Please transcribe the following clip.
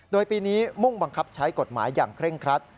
โดยปีนี้มุ่งบังคับใช้กฎหมายอย่างเคร่งครัด